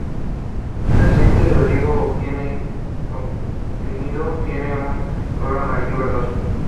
El aceite de oliva obtenido tiene un color amarillo verdoso.